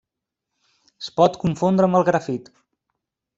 Es pot confondre amb el grafit.